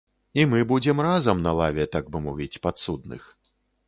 І мы будзем разам на лаве, так бы мовіць, падсудных.